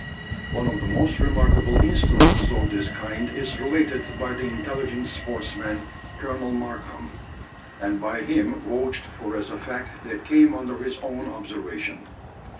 One of the most remarkable instances of this kind is related by the intelligent sportsman, Colonel Markham, and by him vouched for as a fact that came under his own observation.